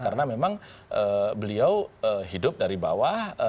karena memang beliau hidup dari bawah